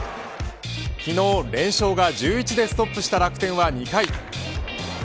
昨日、連勝が１１でストップした楽天は２回。